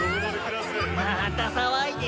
また騒いでる。